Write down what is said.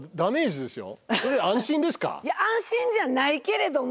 いや安心じゃないけれども。